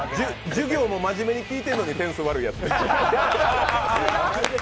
授業もまじめに聞いてるのに点数悪いやつ。